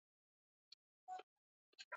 katika biashara na huduma zinatekelezwa na wageni